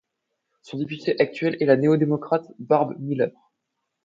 Son député actuel est la Néo-démocrate Barb Miller.